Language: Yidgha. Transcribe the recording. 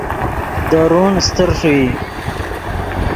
دورون استر ݰوئی